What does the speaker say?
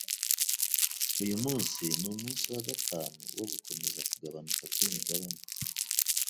Uyu munsi ni umunsi wa gatanu wo gukomeza kugabanuka kwimigabane.